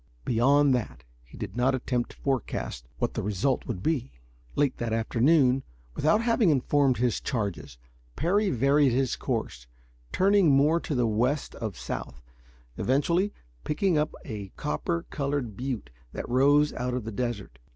Beyond that, he did not attempt to forecast what the result would be. Late that afternoon, without having informed his charges, Parry varied his course, turning more to the west of south, eventually picking up a copper colored butte that rose out of the desert.